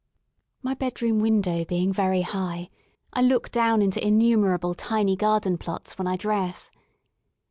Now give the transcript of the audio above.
My bed room window being very high, I look down into in numerable tiny garden plots when I dress.